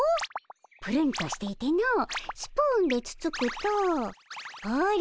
ぷるんとしていてのスプーンでつつくとほれ